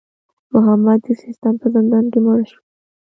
محمد د سیستان په زندان کې مړ شو.